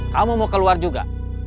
kamu mau keluar juga